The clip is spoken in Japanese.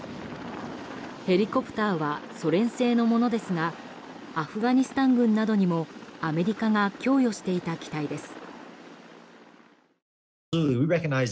ヘリコプターはソ連製のものですがアフガニスタン軍にもアメリカが供与していた機体です。